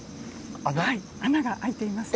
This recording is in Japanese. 穴が開いていますね。